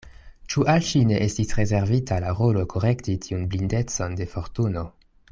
Ĉu al ŝi ne estis rezervita la rolo korekti tiun blindecon de Fortuno.